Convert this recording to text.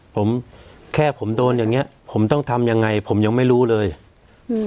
ผมแค่ผมโดนอย่างเงี้ยผมต้องทำยังไงผมยังไม่รู้เลยอืม